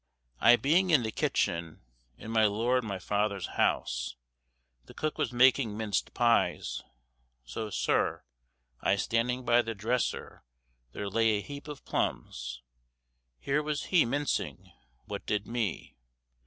"I being in the kitchen, in my lord my father's house, the cook was making minc'd pies; so, sir, I standing by the dresser, there lay a heap of plums; here was he mincing; what did me?